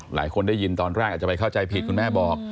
หลายคนได้ยินตอนแรกอาจจะไปเข้าใจผิดคุณแม่บอก